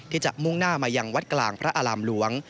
ที่จะมุ่งหน้ามาอย่างวัดกลางพระอลามหลวง